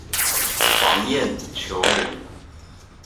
王晏球人。